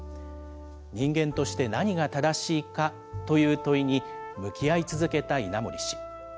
人間として何が正しいかという問いに、向き合い続けた稲盛氏。